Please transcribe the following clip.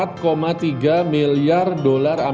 mencapai empat tiga miliar dolar as